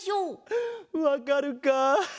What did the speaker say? わかるか？